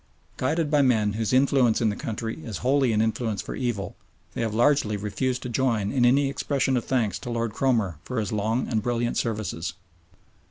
Guided by men whose influence in the country is wholly an influence for evil, they have largely refused to join in any expression of thanks to Lord Cromer for his long and brilliant services.